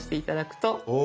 お！